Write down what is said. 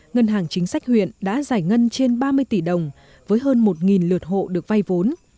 ngân hàng chính sách huyện đã giải ngân trên ba mươi tỷ đồng với hơn một lượt hộ được vay vốn